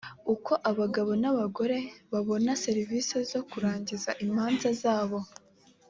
uko abagabo n’abagore babona serivisi zo kurangiza imanza zabo